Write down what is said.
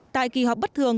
tại kỳ họp bất thường